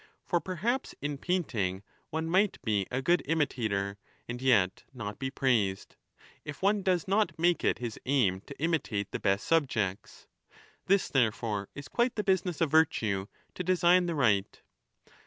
For perhaps in painting one might be a good imitator and yet not be praised, if one does not make it his aim to imitate the best subjects. This, therefore, is quite the business of virtue, to design the right.